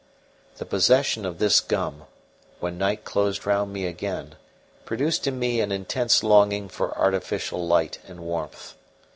The possession of this gum, when night closed round me again, produced in me an intense longing for artificial light and warmth.